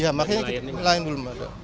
ya makanya lain belum ada